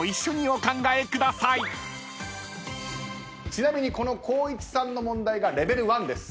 ちなみにこの光一さんの問題がレベル１です。